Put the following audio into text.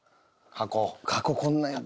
箱こんなんやった。